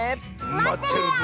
まってるぜ！